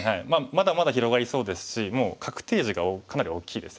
まだまだ広がりそうですしもう確定地がかなり大きいですよね。